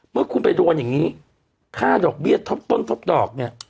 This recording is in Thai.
เมื่อคุณไปโดนอย่างนี้ค่าดอกเบี้ยทบต้นทบดอกเนี่ย